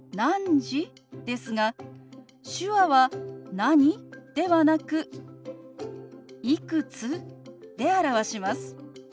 ですが手話は「何？」ではなく「いくつ？」で表します。